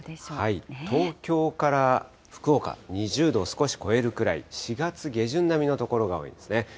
東京から福岡、２０度を少し超えるくらい、４月下旬並みの所が多いですね。